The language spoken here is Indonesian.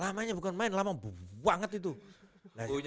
u nya banyak tuh